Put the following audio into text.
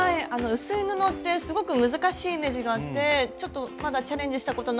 薄い布ってすごく難しいイメージがあってちょっとまだチャレンジしたことないんですけど。